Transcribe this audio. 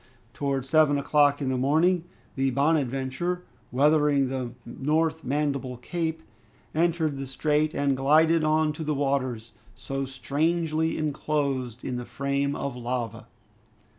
Towards seven o'clock in the morning, the "Bonadventure," weathering the North Mandible Cape, entered the strait and glided on to the waters, so strangely enclosed in the frame of lava.